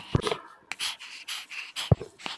বেশ, অনেক তাড়তাড়িই সেটা মেনে নিয়েছো।